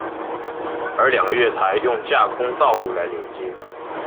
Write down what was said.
而两个月台用架空道路来连接。